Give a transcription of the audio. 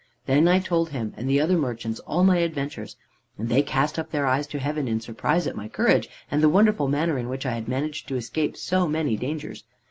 "Then I told him and the other merchants all my adventures, and they cast up their eyes to heaven in surprise at my courage, and the wonderful manner in which I had managed to escape so many dangers.